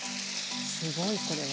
すごいこれは。